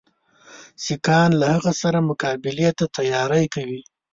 سیکهان له هغه سره مقابلې ته تیاری کوي.